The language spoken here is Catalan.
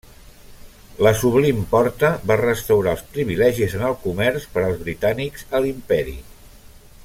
La Sublim Porta va restaurar els privilegis en el comerç per als britànics a l'Imperi.